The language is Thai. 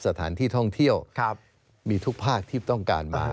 สถานที่ท่องเที่ยวมีทุกภาคที่ต้องการมา